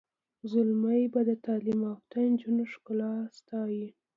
زلمي به د تعلیم یافته نجونو ښکلا ستایي.